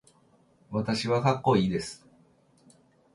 私はかっこいいです。